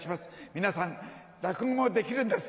皆さん落語もできるんです